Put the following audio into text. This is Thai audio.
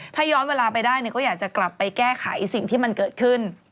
ถ้าย้อนเวลาไปได้ก็อยากจะกลับไปแก้ไขสิ่งที่มันเกิดขึ้น